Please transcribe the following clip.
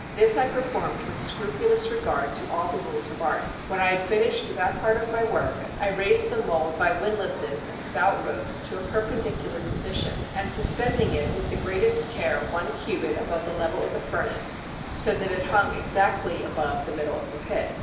This I performed with scrupulous regard to all the rules of art. When I had finished that part of my work, I raised the mold by windlasses and stout ropes to a perpendicular position, and suspending it with the greatest care one cubit above the level of the furnace, so that it hung exactly above the middle of the pit.